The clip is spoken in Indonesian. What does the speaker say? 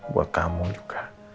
buat kamu juga